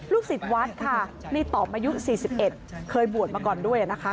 ศิษย์วัดค่ะในต่อมอายุ๔๑เคยบวชมาก่อนด้วยนะคะ